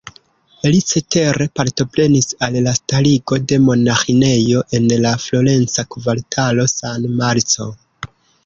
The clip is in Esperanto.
Li cetere partoprenis al la starigo de monaĥinejo en la florenca kvartalo San Marco.